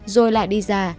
rồi lại đi ra